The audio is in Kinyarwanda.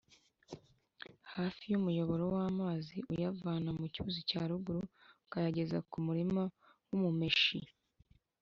hafi y’umuyoboro w’amazi uyavana mu cyuzi cya ruguru ukayageza ku murima w’umumeshi.